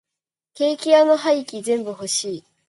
ケーキ屋の廃棄全部欲しい。